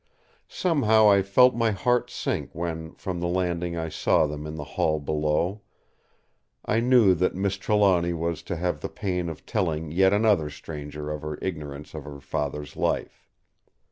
Somehow I felt my heart sink when from the landing I saw them in the hall below; I knew that Miss Trelawny was to have the pain of telling yet another stranger of her ignorance of her father's life.